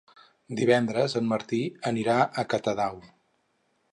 Divendres en Martí anirà a Catadau.